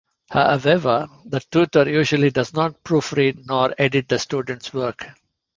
However, the tutor usually does not proofread nor edit the student's work.